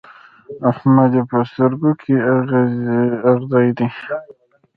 احمد يې په سترګو کې اغزی دی.